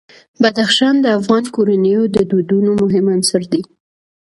بدخشان د افغان کورنیو د دودونو مهم عنصر دی.